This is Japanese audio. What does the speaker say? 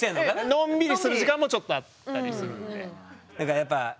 のんびりする時間もちょっとあったりするんで。